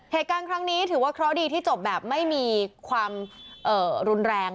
เหตุการณ์ครั้งนี้ถือว่าเคราะห์ดีที่จบแบบไม่มีความรุนแรง